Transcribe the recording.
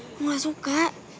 aku gak suka